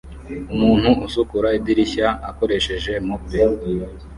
umuntu usukura idirishya akoresheje mope